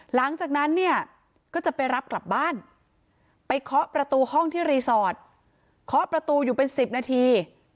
หลังจากนั้นเนี่ยก็จะไปรับกลับบ้านไปเคาะประตูห้องที่รีสอร์ทเคาะประตูอยู่เป็น๑๐นาที